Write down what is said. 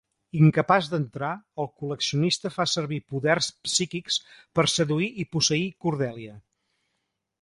Incapaç d'entrar, el col·leccionista fa servir poders psíquics per seduir i posseir Cordelia.